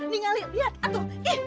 nih ngelihat lihat atu